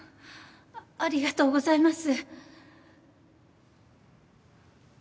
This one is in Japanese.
ありがとうございます。